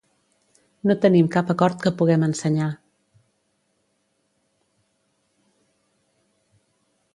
No tenim cap acord que puguem ensenyar.